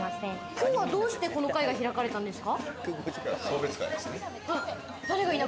きょうはどうしてこの会が開かれたんですか？